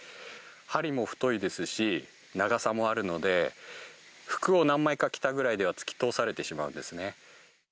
針も太いですし、長さもあるので、服を何枚か着たぐらいでは突き通されてしまうんですね。